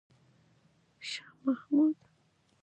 شاه محمود په محاصره کې د خپلو عسکرو څارنه وکړه.